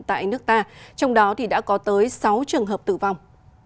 tại nước ta trong đó thì đã có tới sáu trường hợp tử vong